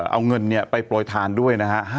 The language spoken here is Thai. เอาเงินไปโปรดทานด้วย